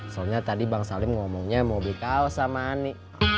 soalnya tadi bang salim ngomongnya mau bekao sama ani